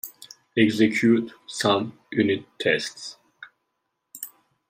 Execute some unit tests.